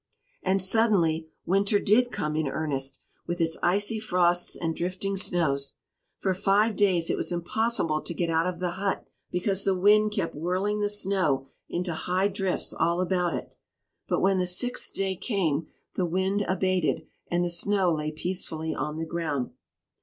And suddenly winter did come in earnest, with its icy frosts and drifting snows. For five days it was impossible to get out of the hut, because the wind kept whirling the snow into high drifts all about it. But when the sixth day came the wind abated and the snow lay peacefully on the ground.